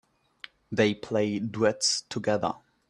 They play duets together.